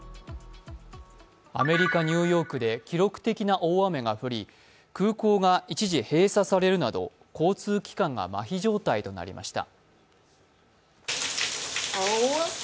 アメリカ・ニューヨークで記録的な大雨が降り、空港が一時閉鎖されるなど交通機関がまひ状態となりました。